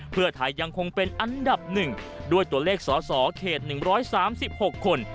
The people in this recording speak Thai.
เพื่อไทยยังคงเป็นอันดับ๑ด้วยตัวเลขสสเขต๑๓๖คน